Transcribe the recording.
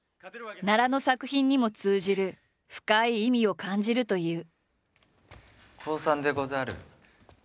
奈良の作品にも通じる深い意味を感じるという。